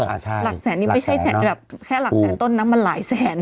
หลักแสนนี่ไม่ใช่แบบแค่หลักแสนต้นนะมันหลายแสน